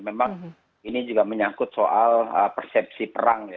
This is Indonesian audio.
memang ini juga menyangkut soal persepsi perang ya